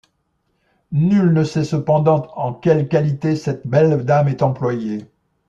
Nul ne sait cependant en quelle qualité cette belle dame est employée.